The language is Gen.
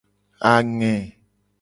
Ange.